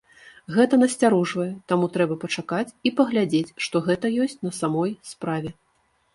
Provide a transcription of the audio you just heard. Гэта насцярожвае, таму трэба пачакаць і паглядзець, што гэта ёсць на самой справе.